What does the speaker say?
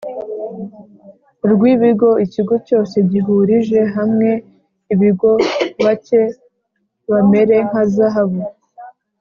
Rw ibigo ikigo cyose gihurije hamwe ibigo bacye bamere nka zahabu